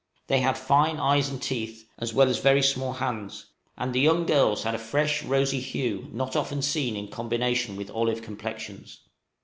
They had fine eyes and teeth, as well as very small hands, and the young girls had a fresh rosy hue not often seen in combination with olive complexions.